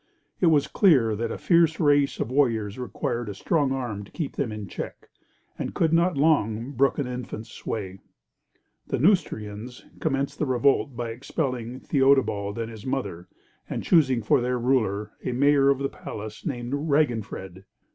It was clear that a fierce race of warriors required a strong arm to keep them in check, and could not long brook an infant's sway. The Neustrians commenced the revolt by expelling Theodebald and his mother, and choosing for their ruler a Mayor of the Palace named Raginfred.